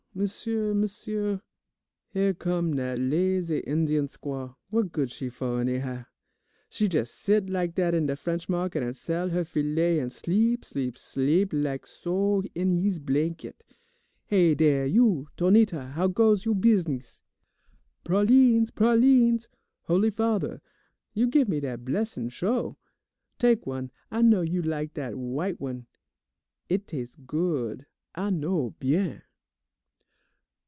Misere, misere! "Here come dat lazy Indien squaw. What she good fo', anyhow? She jes' sit lak dat in de French Market an' sell her file, an' sleep, sleep, sleep, lak' so in he's blanket. Hey, dere, you, Tonita, how goes you' beezness? "Pralines, pralines! Holy Father, you give me dat blessin' sho'? Tak' one, I know you lak dat w'ite one. It tas' good, I know, bien.